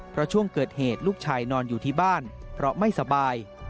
เพราะช่วงเกิดเหตุลูกชายนอนอยู่ที่บ้านเพราะไม่สบาย